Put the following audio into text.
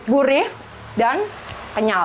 gurih dan kenyal